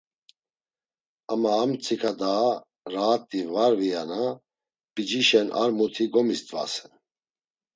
Ama ar mtsika daha raat̆i var viya na, p̌icişen ar muti gomist̆vasen.